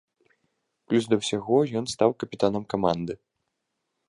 Плюс да ўсяго ён стаў капітанам каманды.